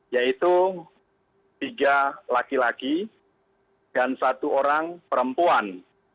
yaitu tiga laki laki dan satu orang perempuan